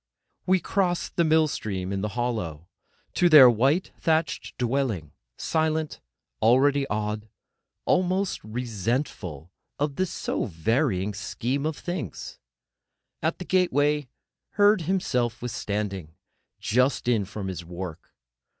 We crossed the mill stream in the hollow—to their white, thatched dwelling; silent, already awed, almost resentful of this so varying Scheme of Things. At the gateway Herd himself was standing, just in from his work.